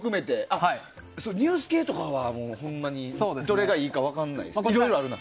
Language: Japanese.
ニュース系とかはどれがいいか分からないです。